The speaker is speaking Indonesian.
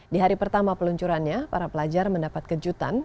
di hari pertama peluncurannya para pelajar mendapat kejutan